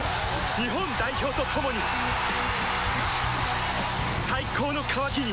日本代表と共に最高の渇きにＤＲＹ